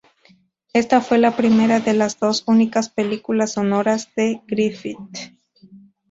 Esta fue la primera de las dos únicas películas sonoras de Griffith.